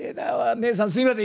ねえさんすいません。